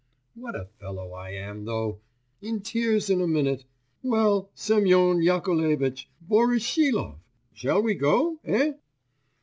_ What a fellow I am, though! In tears in a minute. Well, Semyon Yakovlevitch! Voroshilov! shall we go, eh?